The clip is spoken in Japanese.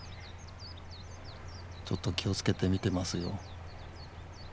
ちょっと気をつけて見てますよ。